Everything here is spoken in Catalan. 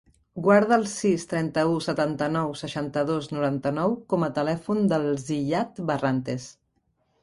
Guarda el sis, trenta-u, setanta-nou, seixanta-dos, noranta-nou com a telèfon del Ziyad Barrantes.